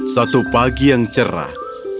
satu pagi yang cerah